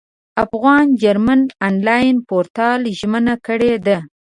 افغان جرمن انلاین پورتال ژمنه کړې ده.